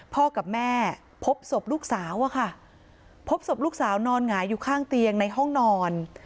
พ่อกับแม่พบศพลูกสาวอะค่ะพบศพลูกสาวนอนหงายอยู่ข้างเตียงในห้องนอน